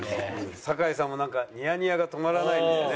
酒井さんもなんかニヤニヤが止まらないですね。